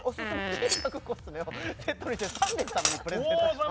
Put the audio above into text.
新作コスメをセットにして３名様にプレゼントします